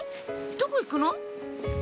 どこ行くの？